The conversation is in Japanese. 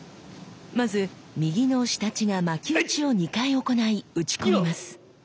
まず右の仕太刀が巻き打ちを２回行い打ち込みます。